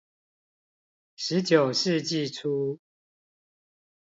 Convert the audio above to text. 十九世紀初